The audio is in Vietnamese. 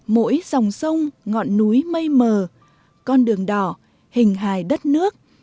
mỗi dòng sông ngọn núi mây mờ con đường đỏ hình hài đất nước